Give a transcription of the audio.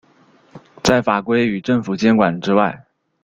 在法规与政府监管之外。